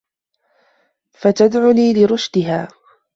فَتُذْعِنُ لِرُشْدِهَا